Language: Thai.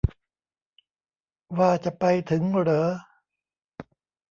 ว่าจะไปถึงเหรอ